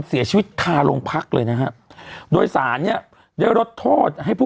เสียชีวิตคาโรงพักเลยนะฮะโดยสารเนี่ยได้ลดโทษให้ผู้